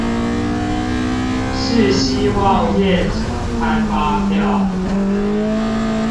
是希望業者開發票